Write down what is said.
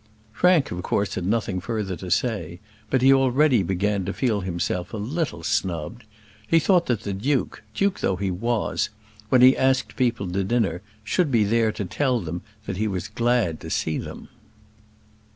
Frank, of course, had nothing further to say; but he already began to feel himself a little snubbed: he thought that the duke, duke though he was, when he asked people to dinner should be there to tell them that he was glad to see them.